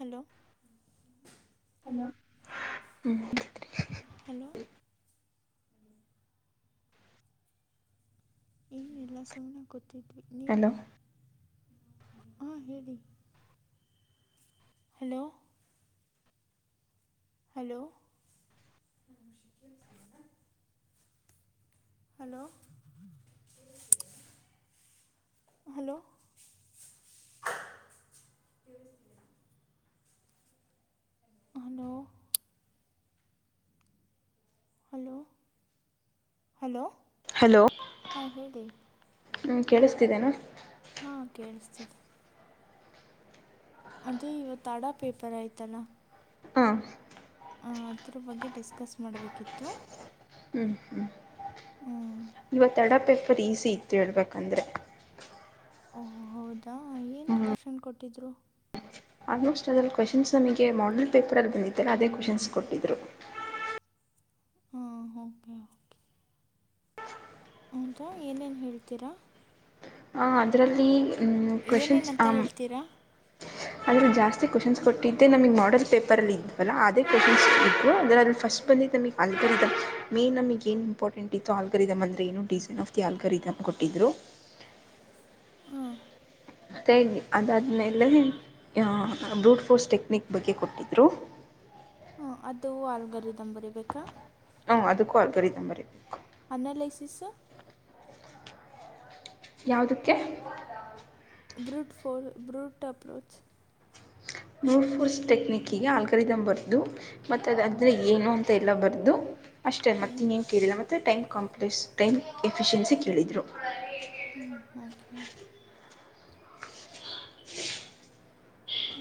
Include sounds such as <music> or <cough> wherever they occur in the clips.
hello ಹ್ಮ್ hello ಏನೆಲ್ಲ ಸಗನ ಗೊತ್ತಿದ್ವಿ ನೀವು ಹಲೋ ಹಾ ಹೇಳಿ ಹಲೋ ಹಲೋ ಹಲೋ ಹಲೋ ಹ ಹಲೋ ಹಲೋ ಹಾ ಹೇಳಿ ಹ್ಮ ಕೇಳಿಸ್ತಿದ್ದೇನ ಹಾ ಕೇೇಳಿಸ್ತಿದೆ ಅದೇ ಇವತ್ತು ಅಾಡಾ ಪೇಪರ್ ಆಯ್ತಲ್ಲ ಹಾ ಅದರ ಬಗ್ಗೆ ಡಿಸ್ಕಸ್ ಮಾಡಬೇಕಿತ್ತು ಹ್ಮ್ ಇವತ್ತಡ ಪೇಪರ್ ಈಸಿ ಇತ್ತು ಹೇಳ್ಬೇಕಂದ್ರೆ ಓ ಹೌದಾ ಏನ್ ಕುಖಷನ್ ಕೊಟ್ಟಿದ್ರು ಆಲ್ಮೋಸ್ಟ್ ಅದರಲ್ಲಿ ಕ್ವಶ್ನ್ಸ್ ನಮಗೆ ಮಾಡಲ್ ಪೇಪರಲ್ಲಿ ಬಂದಿದ್ದಾರೆ ಅದೇ ಕ್ವಶ್ನ್ಸ್ ಕೊಟ್ಟಿದ್ರು <inaudible> ಹಾ ಓಕೆ ಹದಾ ಏನೇನ್ ಹೇಳ್ತೀರಾ ಅದರಲ್ಲಿ ಏನೇನಂತ ಕ್ವೆಶನ್ಸ್ಂ ಹೇಳ್ತೀರಾ ಅದರ ಜಾಸ್ತಿ ಕ್ವಶನ್ಸ್ ಕೊಟ್ಟಿದ್ದೆ ನಮಗೆ ಮಾಡೆಲ್ ಪೇಪರಲ್ಲಿ ಇದ್ದವಲ್ಲ ಅದೇ ಕ್ವಶನ್ಸ್ ಇದವು ಅದರಲ್ಲಿ ಫಸ್ಟ್ ಬಂದಿದ್ದ ನಮಗೆ ಆಲ್ಗರಿದ ಮೇನ್ ನಮಗ ಏ ಇಂಪಾರ್ಟೆಂಟ್ ಇತ್ತು ಆಲ್ಗರಿದಮ ಅಂದೆ ಏನು ಡಿಸೈನ್ ಆಫ್ ದಿಲ್ಗರ್ ತಪ್ ಕೊಟ್ಟಿದ್ರು <inaudible> ಹಾಂ ಅದಾದನ್ನೆಲ್ಲ ಬ್ರೂಡ್ ಫೋಸ್ಟ್ ಟೆಕ್ನಿಕ್ ಬಗ್ಗೆ ಕೊಟ್ಟಿದ್ರು ಹಾ ಅದು ಆಲ್ಗರಿ ದಂಬರಿ ಬೇಕಾ ಹಾ ಅದಕ್ಕ ಅ ಗರಿ ತಂಬರಿ ಅನಾಲೈಸಿಸ್ ಯಾವುದಕ್ಕೆ ಬ್ರೂಟ್ಫೋಲ್ ಬ್ರೂಟ್ ಅಪ್ರೋಚ್ ನೋಡ್ ಫೋರ್ಸ್ ಟೆಕ್ನಿಕ್ಕಿಗೆ ಆಲ್ ಕರಿದ ಬರ್ದು ಮತ್ತುತ್ತ ಅದಾದರೆ ಏನು ಅಂತ ಎಲ್ಲ ಬರೆದು ಅಷ್ಟೇ ಹ್ಞೂ ಮತ್ತೆನ್ನೇನು ಕೇಳಿಲ್ಲ ಮತ್ತೆ ಟೈಮ್ ಕಾಂಪ್ಲೆಕ್ಸ್ ಟೈಮ್ ಎಫಿಷಿಯೆನ್ಸಿ ಕೇಳಿದರು ಹ್ಞೂ ಓಕೆ ಓಕೆ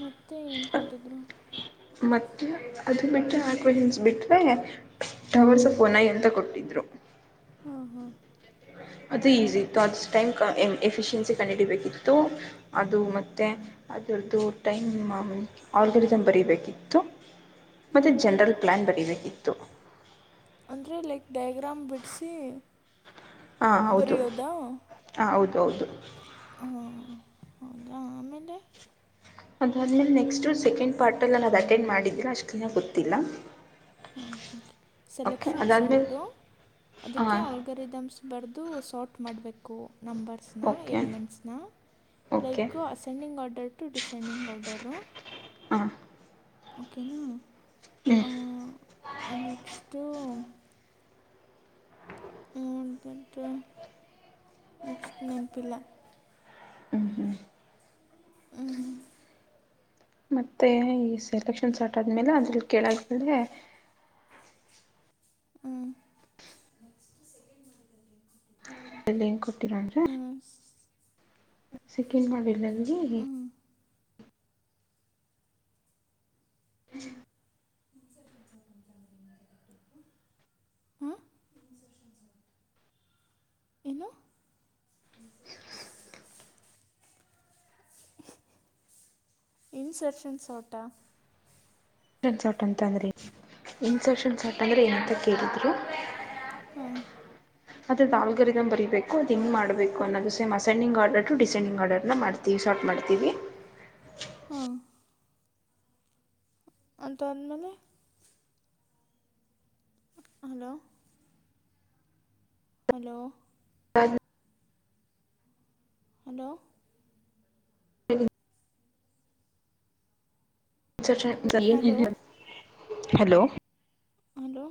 ಮತ್ತೆ ಏನ್ ಕೊಟ್ಟಿದ್ರು ಮತ್ತು ಅದು ಬಿಟ್ಟರೆೆ ಆಕ್ವೆೇಷನ್ಸ್ ಬಿಟರೆ ಟವರ್ಸ ಫೋನ್ಐ ಅಂತ ಕೊಟ್ಟಿದರು ಹಾಂ ಹಾಂ ಅದು ಈಸಿ ಇತ್ತು ಅದುಷ್ಟ ಟೈಮ್ ಎಫಿಶಿಯನ್ಸಿ ಕಂಡುಿಡಿಬೇಕಿತ್ತು ಅದು ಮತ್ತೆ ಅದರದ್ದು ಟೈಮ್ ಆರ್ಗನಿಸಮ್ ಬರಿೀಬೇಕಿತ್ತು ಹ್ಞೂ ಮತ್ತೆ ಜನರಲ್ ಪ್ಲಾನ್ ಬರೀಬೇಕಿತ್ತು ಅಂದರೆ ಲೈಕ್ ಡಯ್ಯಾಗ್ರಾಮ್ ಬಿಡಿಸಿ ಹಾಂ ಹೌದು ಬರಯೋದಾ ಹಾಂ ಹೌದು ಹ ಹೌದಾ ಆಮೇಲೆ ಅದಾದ್ಮೇಲೆ ನೆಕ್ಸ್ಟು ಸೆಕೆಂಡ್ ಪಾರ್ಟೆಲ್ಲ ನಾನ ಅದು ಅಟೆಂಡ್ ಮಾಡಿದ್ದೀಿಲ್ಲ ಅಷ್ಟು ಕ್ಲಿನಾಗಿ ಗೊತ್ತಿಲ್ಲ ಹಾ ಓಕೆ ಓಕೆ ಸೆಲೆಕ್ಷಕ್ಷನ್ ಅದಾದಮೇಲೆ ಸೋಟು ಅದಕ್ಕೆ ಹಾಂ ಆಲ್ಗರಿದಮ್ಸ್ ಬರೆದು ಸಾರ್ಟ್ ಮಾಡ್ಬೇಕು ಕೂ ನಂಬರ್ಸನ okay elements okay to descending ಪೌಡರು ಹಾ ಓಕೆನಾ ನೆಕ್ಸ್ಟ್ ಟ ನೆಕ್ಸ್ಟ್ ನೇನ್ ಪಿಲ್ಲ ಹ್ಞೂ ಹ್ಞೂ ಹ್ಮ್ ಮತ್ತೆ ಈ ಸೆಲೆಕ್ಷನ್ ಸ್ಟಾರ್ಟ್ ಆದ್ಮೇಲೆ ಅದ್ರಲ್ಲಿ ಕೇಳಾದ್ಮೇಲೆ ಹ್ಞೂ ಎಲ್ಲಿ ಹೆಂಗ ಕೊಡ್ತೀರ ಅನ್್ರ ಹ್ಞೂ ಸಿಕ್ಕಿಂಡ್ ಮಾಡ್ಬೇಕಿಲ್ಲ ನನ್ಗೆ ಹ್ಞೂ <inaudible> <inaudible> ಹ ಏನು <inaudible> ಇನ್ಸೆರ್ಷನ್ ಸೋಟಾ ಇನ್ಸೆನ್ ಸಾರ್ಟ್ ಅಂತ ಅಂದ್ರೆ ಇನ್ಸಕ್ಷನ್ ಸಾರ್ಟ ಅಂದ್ರೆ ಏನಂತ ಕೇಳಿದ್ರು ಹ್ಮ ಅದ ದಾಲ್ರಿದ ಬರಿೀಬೇಕು ಅದು ಹಿಂಗ್ಬೇಕು ಅನ್ನೋದು ಸೇಮ್ಸೆಂಡಿಂಗ್ ಆರ್ಡರ್ ಟ ಡಿಸೆಂಡಿಂಗ್ ಆರ್ಡರ್ ನ ಮಾಡ್ತೀವಿ ಶಾರ್ಟ್ ಮಾಡ್ತೀವಿ ಹ <inaudible> ಅಂತ ಅ್ಮೇಲೆ ಹಲೋ ಹಲೋ ಹಾ ಹಲೋ ಹೇಳಿ hello <unintelligible> hello hello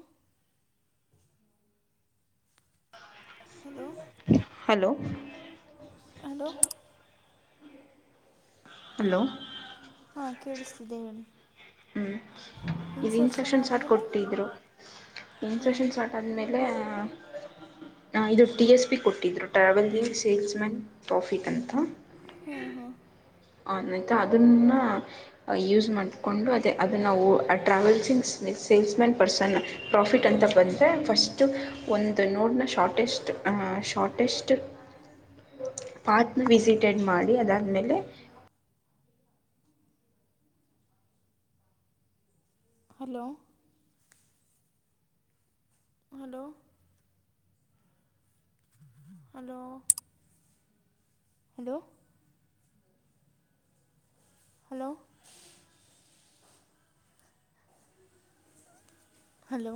hello hello hello hello ಹಾಂ ಕೇಳಿಸ್ತಿದೆ ಹೇಳಿ ಹ್ಮ್ ಇ ಇನ್ಸರ್ಷನ್ ಇನ್ಸೆಕ್ಷನ್ ಶಾರ್ಟ್ ಆದಮೇಲೆ ಕೊಟ್ಟಿದ್ರು ಹ್ಞೂ ಇನ್ಸೆಕ್ಷನ್ ಸಾರ್ಟ್ ಆದ್ಮೇಲೆ ಹ ಇದು ಟಿ ಎಸ್ ಪಿ ಕೊಟ್ಟಿದ್ರು ಟ್ರಾವೆಲ್ಲಿಂಗ್ ಸೇಲ್ಸ್ ಮ್ಯಾನ್ ಟಾಫಿಕ್ ಅಂತ ಹ್ಮ ಹ್ಮ್ ಯ್ತ ಅದನ್ನ ಯೂಸ್ ಮಾಡ್ಕೊಂಡು ಅದೇ ಅದನ್ನ ನಾವು ಟ್ರಾವೆಲ್ಸಿಂಗ್ ಸೇಲ್ಸ್ಮ್ಯಾನ್ ಪರ್ಸನ್ ಪ್ರಾಫಿಟ್ ಅಂತ ಬಂದರೆ ಫಸ್ಟು ಒಂದು ನೋಡನ ಶಾರ್ಟೆಸ್ ಶಾರ್ಟೆಷ್ಟ್ <inaudible> ಪಾಕ್ನ ವಿಸಿಟೆಡ್ ಮಾಡಿ ಅದಾದ್ಮೇಲೆ hello hello hello hello hello hello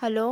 hello